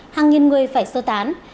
hàng nghìn người phải sơ tán